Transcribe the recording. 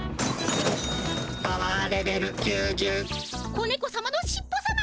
子ねこさまのしっぽさま。